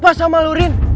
kenapa sama lu rin